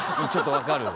分かるよ。